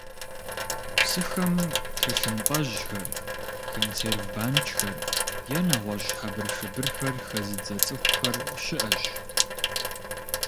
Псыхэм тхылъымпӀэжьхэр, консерв банкӀхэр е нэгъуэщӀ хьэбыршыбырхэр хэзыдзэ цӀыхухэр щыӀэщ.